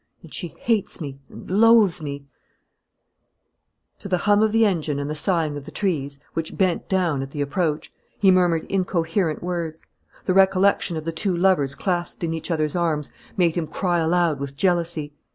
And she hates me and loathes me " To the hum of the engine and the sighing of the trees, which bent down at the approach, he murmured incoherent words. The recollection of the two lovers clasped in each other's arms made him cry aloud with jealousy.